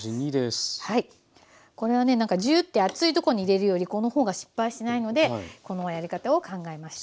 これはねなんかジュッて熱いとこに入れるよりこの方が失敗しないのでこのやり方を考えました。